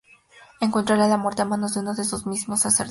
Encontrará la muerte a manos de uno de sus mismos sacerdotes fanáticos.